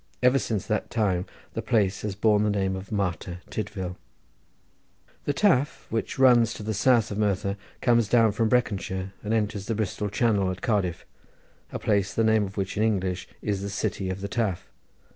Ever since that time the place has borne the name of Martyr Tydvil. The Taf, which runs to the south of Merthyr, comes down from Breconshire, and enters the Bristol Channel at Cardiff, a place the name of which in English is the city on the Taf.